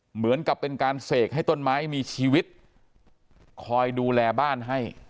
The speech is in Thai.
เหมือนกับเป็นการเสกให้ต้นไม้มีชีวิตคอยดูแลบ้านให้